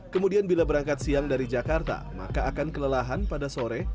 kemudian bila berangkat siang dari jakarta maka akan kelelahan pada sore